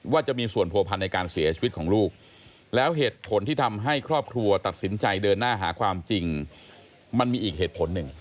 จะมีส่วนผัวพันธ์ในการเสียชีวิตของลูกแล้วเหตุผลที่ทำให้ครอบครัวตัดสินใจเดินหน้าหาความจริงมันมีอีกเหตุผลหนึ่ง